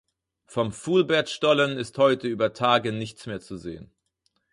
Vom Fulbert-Stollen ist heute über Tage nichts mehr zu sehen.